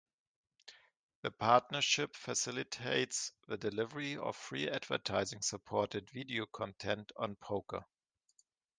The partnership facilitates the delivery of free advertising-supported video content on poker.